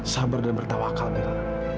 sabar dan bertawa akal